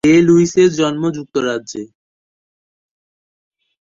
ডে-লুইসের জন্ম যুক্তরাজ্যে।